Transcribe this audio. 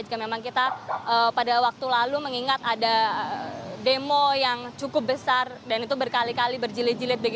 jika memang kita pada waktu lalu mengingat ada demo yang cukup besar dan itu berkali kali berjilid jilid